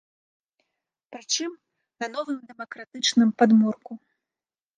Прычым, на новым дэмакратычным падмурку.